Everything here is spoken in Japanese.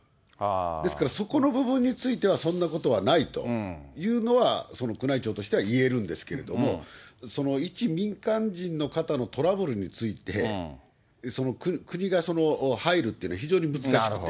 ですからそこの部分については、そんなことはないというのは、その宮内庁としてはいえるんですけども、一民間人の方のトラブルについて、国がその、入るっていうのは、非常に難しくて。